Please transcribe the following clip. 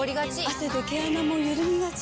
汗で毛穴もゆるみがち。